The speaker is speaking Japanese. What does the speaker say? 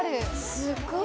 すごい！